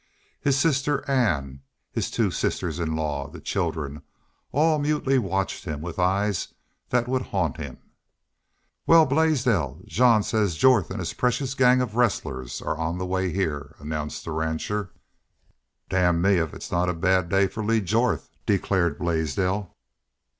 His sister Ann, his two sisters in law, the children, all mutely watched him with eyes that would haunt him. "Wal, Blaisdell, Jean says Jorth an' his precious gang of rustlers are on the way heah," announced the rancher. "Damn me if it's not a bad day fer Lee Jorth!" declared Blaisdell.